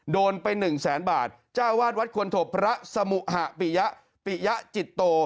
โดนไปหนึ่งแสนบาทจ้าวาดวัดควรถบพระสมุหะปิยะปิยะจิตโต